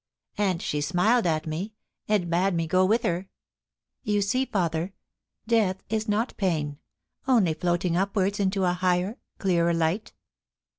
And she smiled at me, and bade me go with her. You see, father, death is not pain — only floating upwards into a higher, clearer light